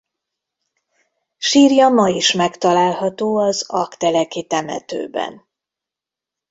Sírja ma is megtalálható az aggteleki temetőben.